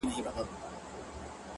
o ستا وه ځوانۍ ته دي لوگى سمه زه؛